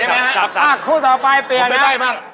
เอ้าจริง